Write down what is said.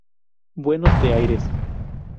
Buenos de Aires.